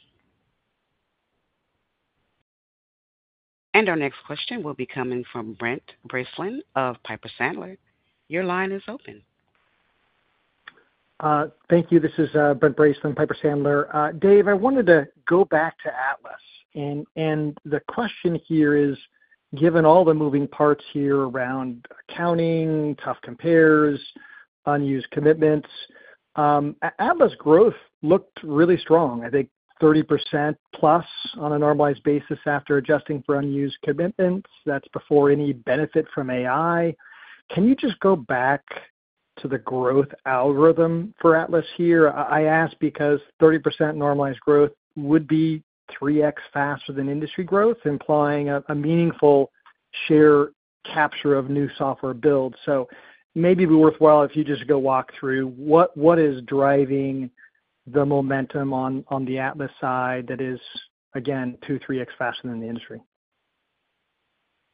and our next question will be coming from Brent Bracelin of Piper Sandler. Your line is open. Thank you. This is Brent Bracelin, Piper Sandler. Dev, I wanted to go back to Atlas, and the question here is, given all the moving parts here around accounting, tough compares, unused commitments, Atlas growth looked really strong. I think 30%+ on a normalized basis after adjusting for unused commitments. That's before any benefit from AI. Can you just go back to the growth algorithm for Atlas here? I ask because 30% normalized growth would be 3X faster than industry growth, implying a meaningful share capture of new software builds. So maybe it'd be worthwhile if you just go walk through what is driving the momentum on the Atlas side that is, again, two, three X faster than the industry?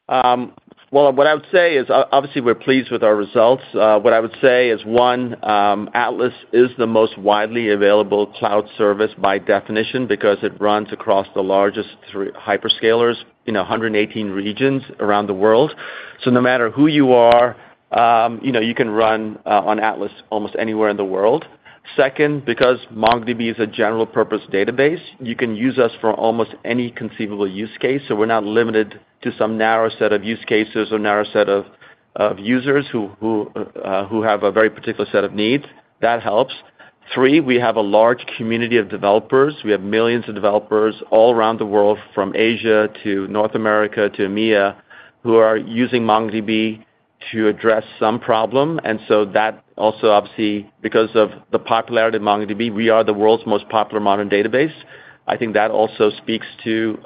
Well, what I would say is obviously, we're pleased with our results. What I would say is, one, Atlas is the most widely available cloud service by definition, because it runs across the largest three hyperscalers in 118 regions around the world. So no matter who you are, you know, you can run on Atlas almost anywhere in the world. Second, because MongoDB is a general purpose database, you can use us for almost any conceivable use case, so we're not limited to some narrow set of use cases or narrow set of users who have a very particular set of needs. That helps. Three, we have a large community of developers. We have millions of developers all around the world, from Asia to North America to EMEA, who are using MongoDB to address some problem. That also, obviously, because of the popularity of MongoDB, we are the world's most popular modern database. I think that also speaks to,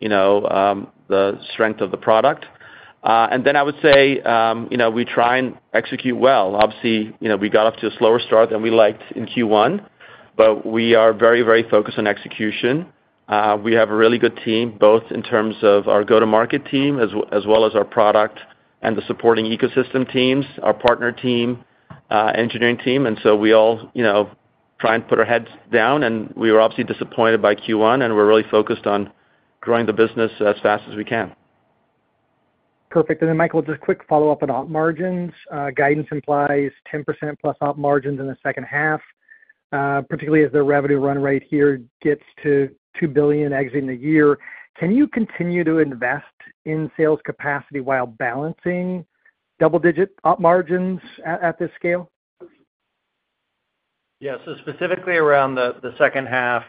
you know, the strength of the product. Then I would say, you know, we try and execute well. Obviously, you know, we got off to a slower start than we liked in Q1, but we are very, very focused on execution. We have a really good team, both in terms of our go-to-market team, as well as our product and the supporting ecosystem teams, our partner team, engineering team. So we all, you know, try and put our heads down, and we were obviously disappointed by Q1, and we're really focused on growing the business as fast as we can. Perfect. And then, Mike, just a quick follow-up on op margins. Guidance implies 10% plus op margins in the second half, particularly as the revenue run rate here gets to $2 billion exiting the year. Can you continue to invest in sales capacity while balancing double-digit op margins at this scale? Yeah, so specifically around the second half,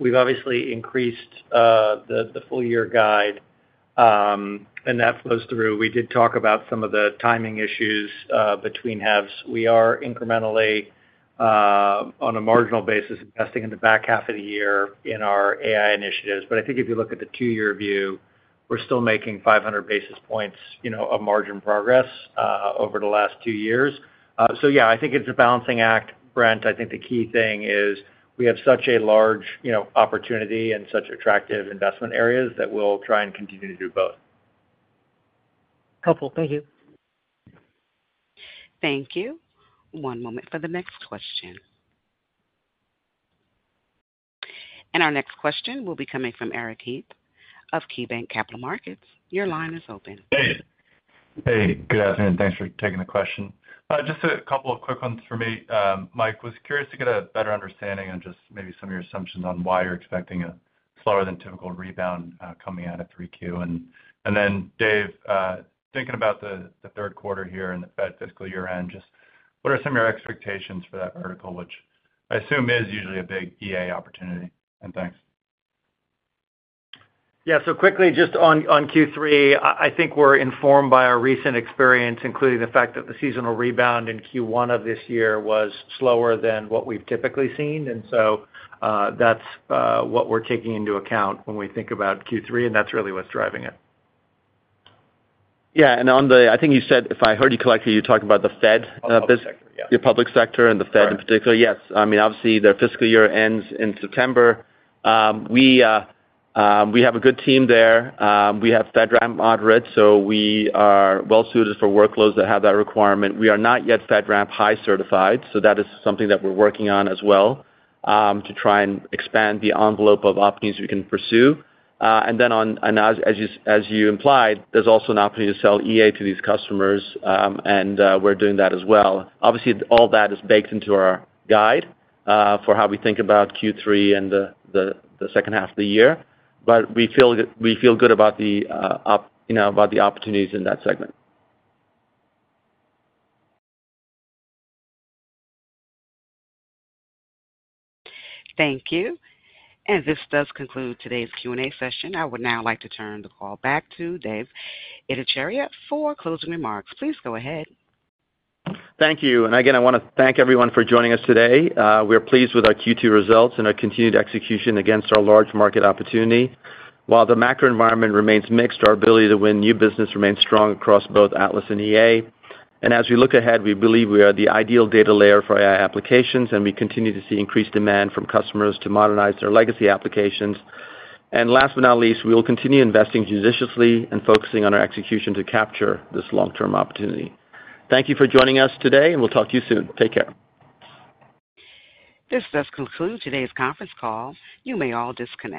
we've obviously increased the full year guide, and that flows through. We did talk about some of the timing issues between halves. We are incrementally on a marginal basis, investing in the back half of the year in our AI initiatives. But I think if you look at the two-year view, we're still making five hundred basis points, you know, of margin progress over the last two years. So yeah, I think it's a balancing act, Brent. I think the key thing is we have such a large, you know, opportunity and such attractive investment areas that we'll try and continue to do both. Helpful. Thank you. Thank you. One moment for the next question, and our next question will be coming from Eric Heath of KeyBanc Capital Markets. Your line is open. Hey. Hey, good afternoon. Thanks for taking the question. Just a couple of quick ones for me. Mike, was curious to get a better understanding on just maybe some of your assumptions on why you're expecting a slower than typical rebound, coming out of Q3. And then, Dev, thinking about the Q3 here and the Fed fiscal year-end, just what are some of your expectations for that vertical, which I assume is usually a big EA opportunity? And thanks. Yeah, so quickly, just on Q3, I think we're informed by our recent experience, including the fact that the seasonal rebound in Q1 of this year was slower than what we've typically seen, and so that's what we're taking into account when we think about Q3, and that's really what's driving it. Yeah, and on the... I think you said, if I heard you correctly, you talked about the FedRAMP. Public sector, yeah. The public sector and the FedRAMP. Right. In particular. Yes. I mean, obviously, their fiscal year ends in September. We have a good team there. We have FedRAMP Moderate, so we are well suited for workloads that have that requirement. We are not yet FedRAMP High certified, so that is something that we're working on as well, to try and expand the envelope of opportunities we can pursue. And as you implied, there's also an opportunity to sell EA to these customers, and we're doing that as well. Obviously, all that is baked into our guide for how we think about Q3 and the second half of the year, but we feel good about you know, about the opportunities in that segment. Thank you. This does conclude today's Q&A session. I would now like to turn the call back to Dev Ittycheria for closing remarks. Please go ahead. Thank you. And again, I wanna thank everyone for joining us today. We are pleased with our Q2 results and our continued execution against our large market opportunity. While the macro environment remains mixed, our ability to win new business remains strong across both Atlas and EA. And as we look ahead, we believe we are the ideal data layer for AI applications, and we continue to see increased demand from customers to modernize their legacy applications. And last but not least, we will continue investing judiciously and focusing on our execution to capture this long-term opportunity. Thank you for joining us today, and we'll talk to you soon. Take care. This does conclude today's conference call. You may all disconnect.